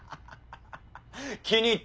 気に入った。